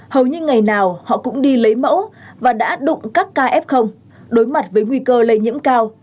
hầu như ngày nào họ cũng đi lấy mẫu và đã đụng các ca f đối mặt với nguy cơ lây nhiễm cao